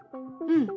うん。